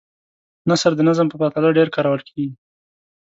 نثر د نظم په پرتله ډېر کارول کیږي.